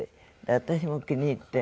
私も気に入って。